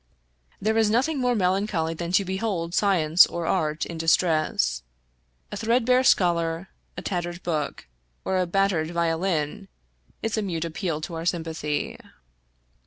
There is nothing more melancholy than to behold science or art in distress. A threadbare scholar, a tattered book, or a battered violin is a mute appeal to our sympathy.